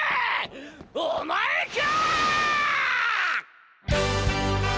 お前か！